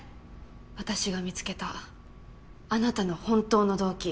私が見つけたあなたの本当の動機。